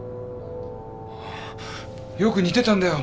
よく似てたんだよ。